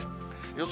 予想